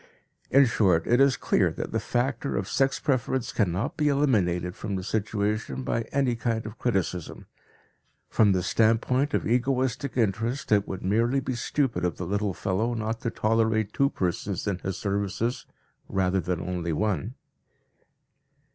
In short, it is clear that the factor of sex preference cannot be eliminated from the situation by any kind of criticism. From the standpoint of egoistic interest it would merely be stupid of the little fellow not to tolerate two persons in his services rather than only one.